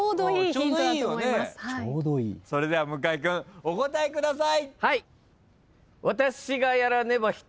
それでは向井君お答えください。